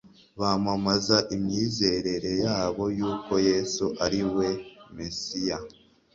bamamaza imyizerere yabo y'uko yesu ari we mesiya